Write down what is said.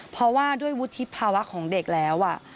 เพราะว่าด้วยวุฒิภาวะของเด็กแล้ว